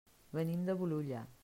Venim de Bolulla.